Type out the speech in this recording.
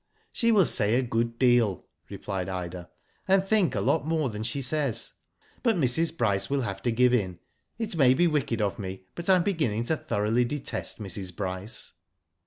''She will say a good deal," replied Ida, '*and think a lot more than she says. But Mrs. Bryce will have to give in. It may be wicked of me, but I am beginning to thoroughly detest Mrs. Bryce.